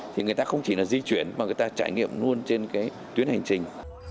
thì người ta không chỉ là di chuyển mà người ta trải nghiệm luôn trên cái tuyến hành trình